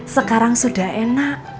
sekarang sudah enak